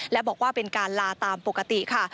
และบอกว่าเป็นการลาตามปกติค่ะ